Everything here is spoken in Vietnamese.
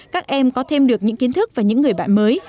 các em có thêm được những kiến thức và những người bạn mới